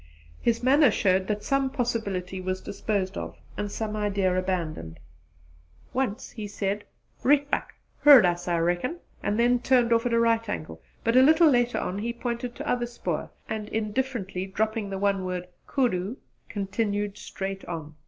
His manner showed that some possibility was disposed of and some idea abandoned. Once he said "Rietbuck! Heard us I reckon," and then turned off at a right angle; but a little later on he pointed to other spoor and, indifferently dropping the one word 'Koodoo,' continued straight on.